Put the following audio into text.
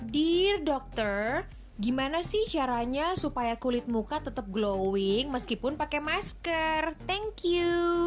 dear dokter gimana sih caranya supaya kulit muka tetap glowing meskipun pakai masker thank you